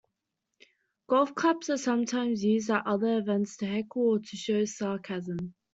Golf claps are sometimes used at other events to heckle or to show sarcasm.